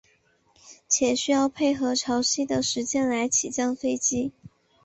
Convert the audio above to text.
且需要配合潮汐的时间来起降飞机。